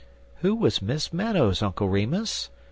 "Who was Miss Meadows, Uncle Remus?"